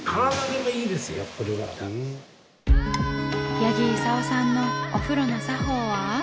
八木功さんのお風呂の作法は。